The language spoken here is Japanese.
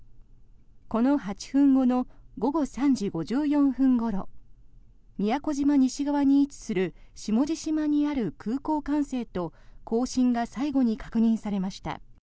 この８分後の午後３時５４分ごろ宮古島西側に位置する下地島にある空港管制と交信が最後に確認されました。